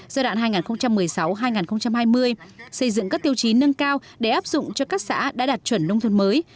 giai đoạn hai nghìn một mươi sáu hai nghìn hai mươi xây dựng các tiêu chí nâng cao để áp dụng cho các xã đã đạt chuẩn nông thôn mới